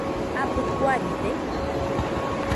¿Abɨ kuaride.?